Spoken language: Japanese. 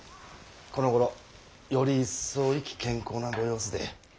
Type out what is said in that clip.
このごろより一層意気軒昂なご様子で。